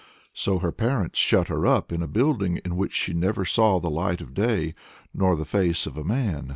So her parents shut her up in a building in which she never saw the light of day, nor the face of a man.